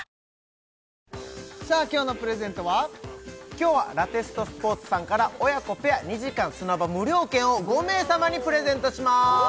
今日はＬＡＴＴＥＳＴＳＰＯＲＴＳさんから親子ペア２時間砂場無料券を５名様にプレゼントしまーす